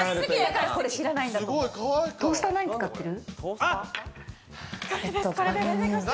トースター何使ってる？